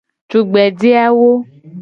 Tugbeje awo.